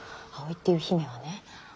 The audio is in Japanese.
葵っていう姫はね